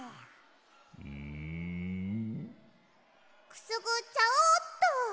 くすぐっちゃおっと。